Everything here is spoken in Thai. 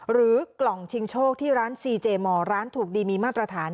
หรือกล่องชิงโชคที่ร้านซีเจมอร์ร้านถูกดีมีมาตรฐาน